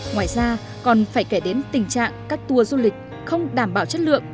ngoài ra còn phải kể đến tình trạng các tour du lịch không đảm bảo chất lượng